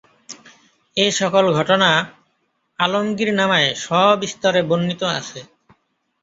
এ সকল ঘটনা আলমগীরনামায় সবিস্তারে বর্ণিত আছে।